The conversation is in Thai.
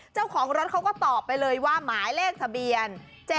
เจ้าของรถเขาก็ตอบไปเลยว่าหมายเลขทะเบียน๗๗